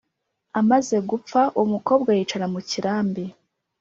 amaze gupfa, umukobwa yicara mu kirambi,